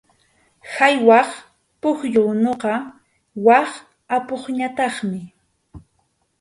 Qhaywaq pukyu unuqa wak apupñataqmi.